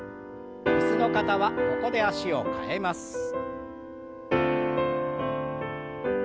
椅子の方はここで脚を替えます。